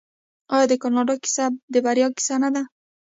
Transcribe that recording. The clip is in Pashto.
آیا د کاناډا کیسه د بریا کیسه نه ده؟